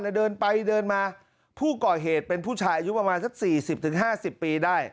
แล้วเดินไปเดินมาผู้ก่อเหตุเป็นผู้ชายอายุประมาณสัก๔๐๕๐ปีได้